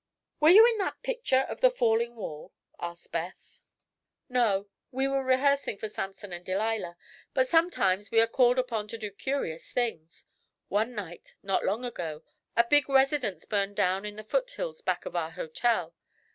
"Were you in that picture of the falling wall?" asked Beth. "No. We were rehearsing for 'Samson and Delilah.' But sometimes we are called upon to do curious things. One night, not long ago, a big residence burned down in the foothills back of our hotel.